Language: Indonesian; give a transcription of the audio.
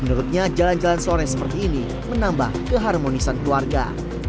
menurutnya jalan jalan sore seperti ini menambah keharmonisan keluarga